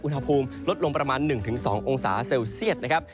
อุณหภูมิลดลงประมาณ๑๒องศาเซลเซียตนะครับ